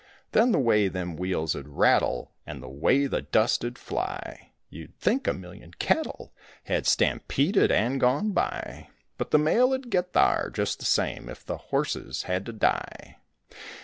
Then the way them wheels 'u'd rattle, And the way the dust 'u'd fly, You'd think a million cattle, Had stampeded and gone by; But the mail 'u'd get thar just the same, If the horses had to die.